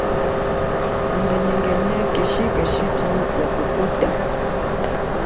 Kangenyingenyi kathuthu keshi kukuta.